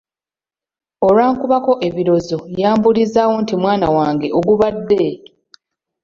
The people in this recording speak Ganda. Olwankubako ebirozo yambuulizaawo nti mwana wange ogubadde?